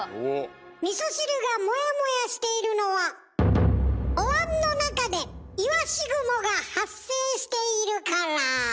みそ汁がモヤモヤしているのはおわんの中でいわし雲が発生しているから。